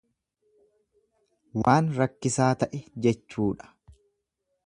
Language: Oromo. Waan rakkisaa ta'e jechuudha.